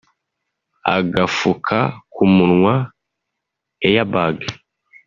Agafuka k’umwuka (Air Bag)